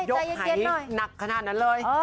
อ๋อแต่ยกไหหนักขนาดนั้นเลย